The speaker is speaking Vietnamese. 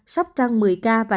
sóc trăng một mươi ca